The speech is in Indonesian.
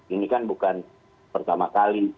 ini kan bukan pertama kali ke apa namanya kpk